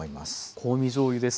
香味じょうゆです。